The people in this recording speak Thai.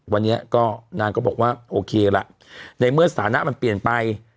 วันนี้ก็นางก็บอกว่าโอเคละในเมื่อสถานะมันเปลี่ยนไป